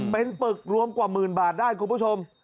เป็นปึกรวมกว่าหมื่นบาทได้คุณผู้ชม